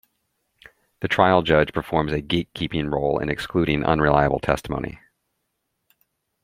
The trial judge performs a "gatekeeping" role in excluding unreliable testimony.